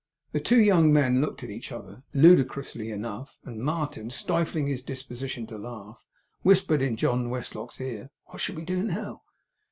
The two young men looked at each other, ludicrously enough; and Martin, stifling his disposition to laugh, whispered in John Westlock's ear, 'What shall we do now?